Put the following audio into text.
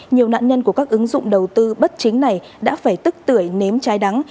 nhiều nạn nhân của các ứng dụng đầu tư bất chính này đã phải tức tuổi nếm trái đắng